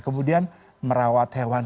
kemudian merawat hewan